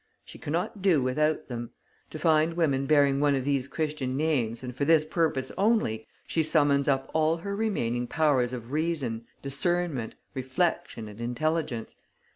She cannot do without them. To find women bearing one of these Christian names and for this purpose only she summons up all her remaining powers of reason, discernment, reflection and intelligence.